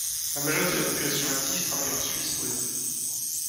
La majorité de la population active travaille en Suisse voisine.